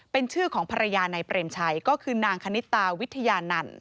เป็นชื่อของภรรยานายเปรมชัยก็คือนางคณิตาวิทยานันต์